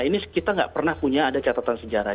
ini kita nggak pernah punya ada catatan sejarah